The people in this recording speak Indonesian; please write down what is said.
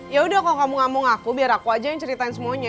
yaudah kalau kamu gak mau ngaku biar aku aja yang ceritain semuanya